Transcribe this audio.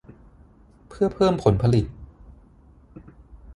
เพื่อเพิ่มผลผลิต